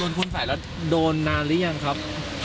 โดนคุณสายแล้วโดนนานหรือยังครับ